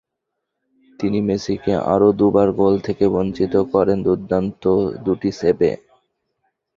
তিনি মেসিকে আরও দুবার গোল থেকে বঞ্চিত করেন দুর্দান্ত দুটি সেভে।